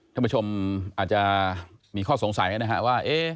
ท่านผู้ชมอาจจะมีข้อสงสัยนะฮะว่า